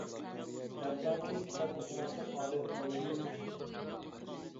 ھەتتاكى كىتاب ئوقۇماسلىق ئادەتكە ئايلىنىپ كەتكەن.